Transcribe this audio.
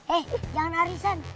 eh jangan arisan